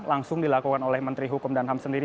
langsung dilakukan oleh menteri hukum dan ham sendiri